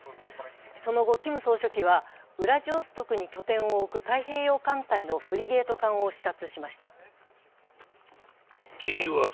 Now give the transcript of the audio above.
その後、キム総書記は、ウラジオストクに拠点を置く太平洋艦隊のフリゲート艦を視察しました。